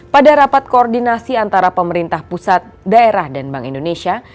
pada rapat koordinasi antara pemerintah pusat daerah dan bank indonesia